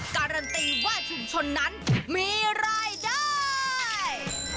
การันตีว่าชุมชนนั้นมีรายได้